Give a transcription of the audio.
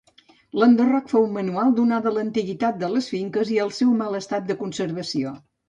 L'enderroc fou manual donada l'antiguitat de les finques i el seu mal estat de conservació.